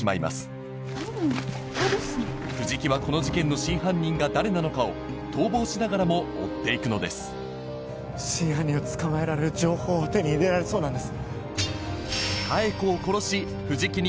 彼女は突然藤木はこの事件の真犯人が誰なのかを逃亡しながらも追って行くのです真犯人を捕まえられる情報を手に入れられそうなんです。